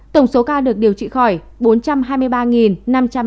tổng số ca được điều trị khỏi bốn trăm hai mươi ba năm trăm năm mươi một ca